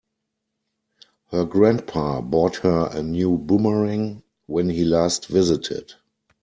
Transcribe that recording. Her grandpa bought her a new boomerang when he last visited.